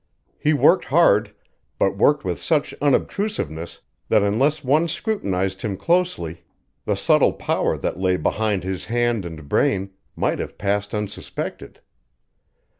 He worked hard but worked with such unobtrusiveness that unless one scrutinized him closely the subtle power that lay behind his hand and brain might have passed unsuspected.